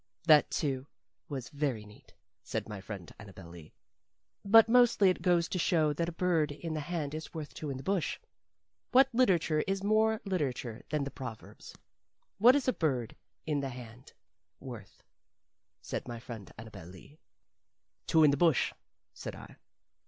"That, too, was very neat," said my friend Annabel Lee; "but mostly it goes to show that a bird in the hand is worth two in the bush. What literature is more literature than the proverbs? What is a bird in the hand worth?" said my friend Annabel Lee. "Two in the bush," said I.